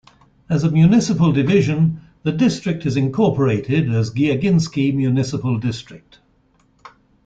As a municipal division, the district is incorporated as Giaginsky Municipal District.